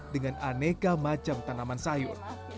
dengan aneka macam tanaman sayur